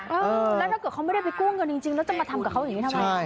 เออแล้วถ้าเกิดเขาไม่ได้ไปกู้เงินจริงแล้วจะมาทำกับเขาอย่างนี้ทำไม